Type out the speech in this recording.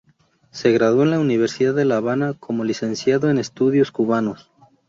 Se graduó en la Universidad de La Habana como licenciado en Estudios Cubanos.